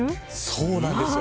そうなんですよ。